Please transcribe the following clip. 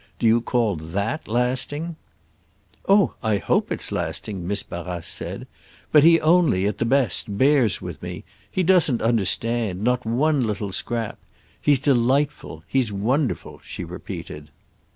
Do you call that 'lasting'?" "Oh I hope it's lasting!" Miss Barrace said. "But he only, at the best, bears with me. He doesn't understand—not one little scrap. He's delightful. He's wonderful," she repeated.